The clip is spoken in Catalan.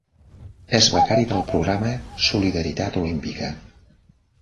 És becari del programa Solidaritat Olímpica.